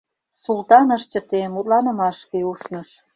— Султан ыш чыте, мутланымашке ушныш.